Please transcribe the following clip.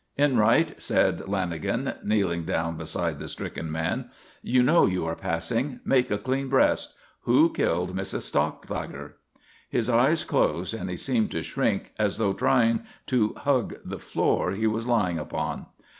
"Enright," said Lanagan, kneeling down beside the stricken man, "you know you are passing. Make a clean breast. Who killed Mrs. Stockslager?" His eyes closed and he seemed to shrink as though trying to hug the floor he was lying upon.